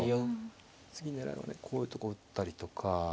次狙いはねこういうとこ打ったりとか。